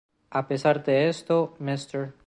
A pesar de esto, Mr.